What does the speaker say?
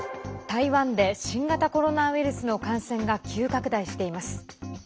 台湾で新型コロナウイルスの感染が急拡大しています。